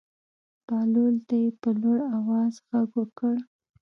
بهلول ته یې په لوړ آواز غږ وکړ.